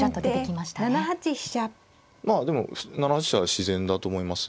まあでも７八飛車自然だと思います。